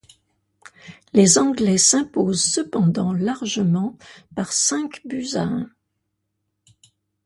Les Anglais s'imposent cependant largement par cinq buts à un.